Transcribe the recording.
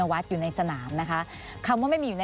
สวัสดีครับทุกคน